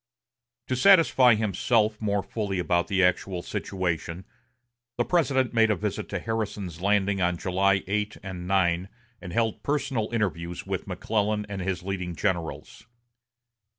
To satisfy himself more fully about the actual situation, the President made a visit to Harrison's Landing on July 8 and 9, and held personal interviews with McClellan and his leading generals.